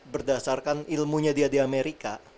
berdasarkan ilmunya dia di amerika